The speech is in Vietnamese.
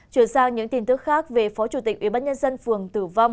chuyển sang những tin tức khác về phó chủ tịch ubnd phường tử vong